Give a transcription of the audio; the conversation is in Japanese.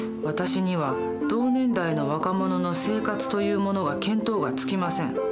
私には同年代の若者の生活というものが見当がつきません。